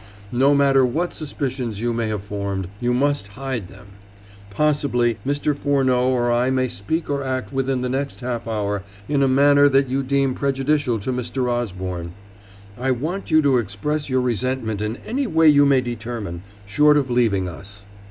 No matter what suspicions you may have formed, you must hide them. Possibly, Mr. Furneaux or I may speak or act within the next half hour in a manner that you deem prejudicial to Mr. Osborne. I want you to express your resentment in any way you may determine, short of leaving us.